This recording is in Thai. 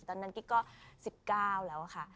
ตอนนั้นกิ๊กก็๑๙แล้วอะค่ะ